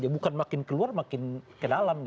bukan makin keluar makin ke dalam